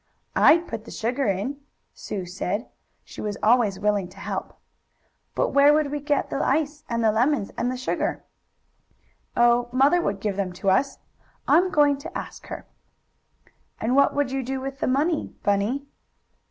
"I'd put the sugar in," Sue said. She was always willing to help. "But where would we get the ice and the lemons and the sugar?" "Oh, mother would give them to us. I'm going to ask her." "And what would we do with the money, Bunny?"